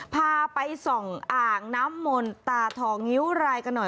พาไปส่องอ่างน้ำมนตาทองงิ้วรายกันหน่อย